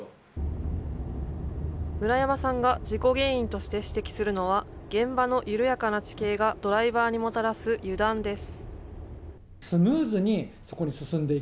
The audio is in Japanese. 村山さんが事故原因として指摘するのは、現場の緩やかな地形がドライバーにもたらす油断です。